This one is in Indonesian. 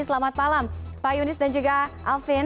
selamat malam pak yunis dan juga alvin